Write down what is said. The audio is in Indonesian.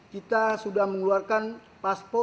kita sudah mengeluarkan paspor